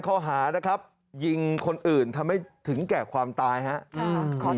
มีอะไรอยากจะบอกถึงญาติคุณตายไหมที่